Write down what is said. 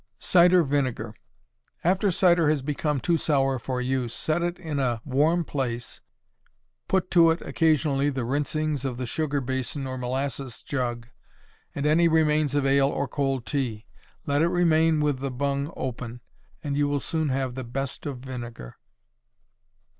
Cider Vinegar. After cider has become too sour for use, set it in a warm place, put to it occasionally the rinsings of the sugar basin or molasses jug, and any remains of ale or cold tea; let it remain with the bung open, and you will soon have the best of vinegar.